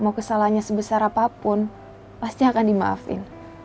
mau kesalahannya sebesar apapun pasti akan dimaafin